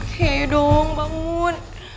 kek dong bangun